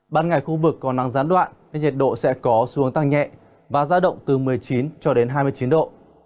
ban ngày khu vực còn nắng gián đoạn nên nhiệt độ sẽ có xuống tăng nhẹ và ra động từ một mươi chín cho đến hai mươi chín độ